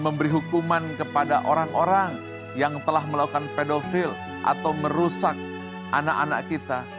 memberi hukuman kepada orang orang yang telah melakukan pedofil atau merusak anak anak kita